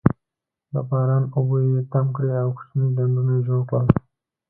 د باران اوبه یې تم کړې او کوچني ډنډونه یې جوړ کړل.